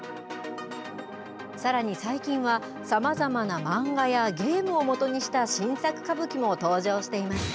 さらに、最近はさまざまな漫画やゲームをもとにした新作歌舞伎も登場しています。